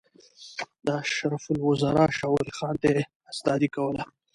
د اشرف الوزرا شاولي خان ته یې استادي کوله.